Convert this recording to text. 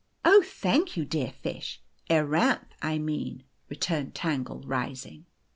" Oh ! thank you, dear fish acranth, I mean," re turned Tangle, rising.